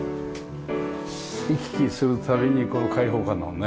行き来する度にこの開放感だもんね。